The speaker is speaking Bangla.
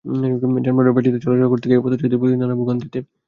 যানবাহনের পাশ দিয়ে চলাচল করতে গিয়ে পথচারীদের পড়তে হচ্ছে নানা ভোগান্তিতে।